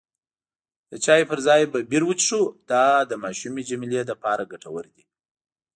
د چایو پر ځای به بیر وڅښو، دا د ماشومې جميله لپاره ګټور دی.